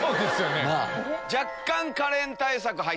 若干。